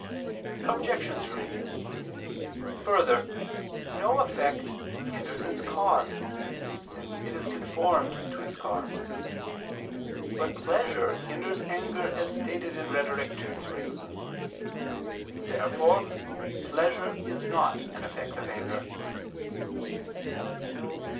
Obj. 3: Further, no effect hinders its cause, since it is conformed to its cause. But pleasure hinders anger as stated in Rhet. ii, 3. Therefore pleasure is not an effect of anger.